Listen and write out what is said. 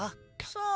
さあ。